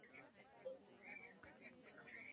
د بسته بندۍ صنعت څنګه دی؟